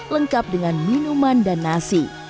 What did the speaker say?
lengkap dengan minuman dan nasi